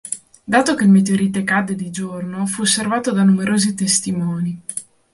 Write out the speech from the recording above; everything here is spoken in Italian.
Dato che il meteorite cadde di giorno, fu osservato da numerosi testimoni.